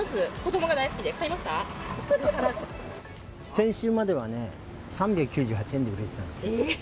先週まではね、３９８円で売ってたんですよ。